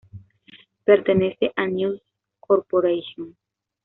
Pertenece a News Corporation.